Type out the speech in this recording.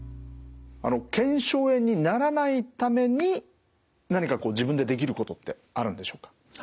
腱鞘炎にならないために何か自分でできることってあるんでしょうか？